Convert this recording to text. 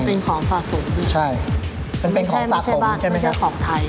มันเป็นของสะสมใช่ไหมครับไม่ใช่บ้านไม่ใช่ของไทย